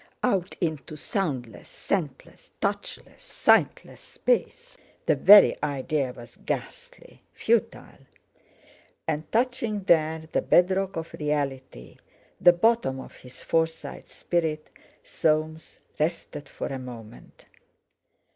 Out into soundless, scentless, touchless, sightless space! The very idea was ghastly, futile! And touching there the bedrock of reality, the bottom of his Forsyte spirit, Soames rested for a moment.